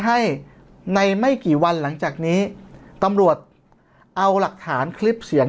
ให้ในไม่กี่วันหลังจากนี้ตำรวจเอาหลักฐานคลิปเสียง